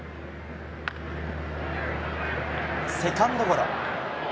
セカンドゴロ。